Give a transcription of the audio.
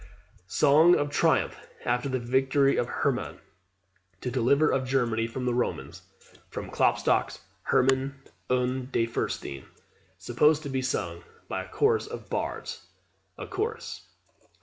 SONG OF TRIUMPH AFTER THE VICTORY OF HERRMAN, THE DELIVERER OF GERMANY FROM THE ROMANS. FROM KLOPSTOCK'S "HERRMAN UND DIE FURSTEN." Supposed to be sung by a Chorus of Bards. A CHORUS.